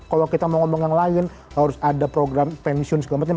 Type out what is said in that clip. kalau kita mau ngomong yang lain harus ada program pensiun segala macam